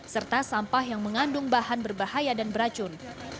serta sampah yang mengandung bahan berbahaya dan beracun